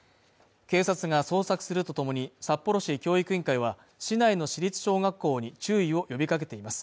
警察が捜索するとともに、札幌市教育委員会は、市内の市立小学校に注意を呼びかけています。